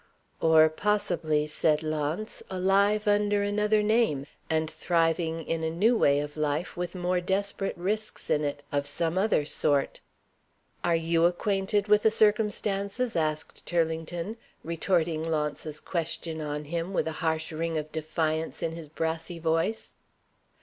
"Or possibly," said Launce, "alive, under another name, and thriving in a new way of life, with more desperate risks in it, of some other sort." "Are you acquainted with the circumstances?" asked Turlington, retorting Launce's question on him, with a harsh ring of defiance in his brassy voice.